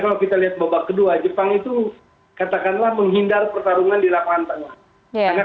kalau kita lihat babak kedua jepang itu katakanlah menghindar pertarungan di lapangan tengah